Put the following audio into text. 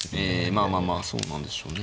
まあまあまあそうなんでしょうね。